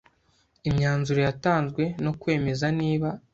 imyanzuro yatanzwe no kwemeza niba